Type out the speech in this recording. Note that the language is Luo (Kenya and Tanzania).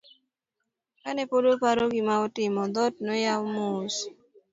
kane pod oparo gima otimo, dhot noyaw mos